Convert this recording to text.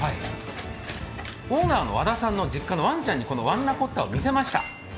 和田さんの実家のワンちゃんにこのワンナコッタを見せました。